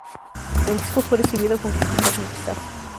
El disco fue recibido con críticas mixtas.